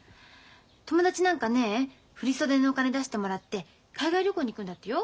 友達なんかね振り袖のお金出してもらって海外旅行に行くんだってよ。